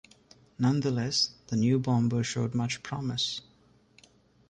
Nonetheless, the new bomber showed much promise.